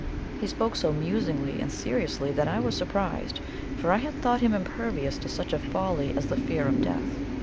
He spoke so musingly and seriously that I was surprised, for I had thought him impervious to such a folly as the fear of death.